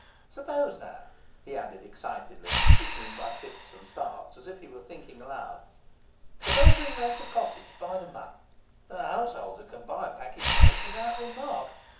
Suppose now,' he added excitedly, speaking by fits and starts, as if he were thinking aloud, 'suppose we rent a cottage by the month. A householder can buy a packing case without remark.